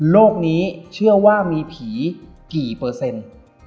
โลกนี้เชื่อว่ามีผีกี่เปอร์เซ็นต์